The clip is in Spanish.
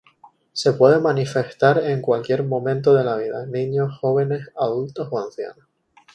Se puede manifestar en cualquier momento de la vida: niños, jóvenes, adultos o ancianos.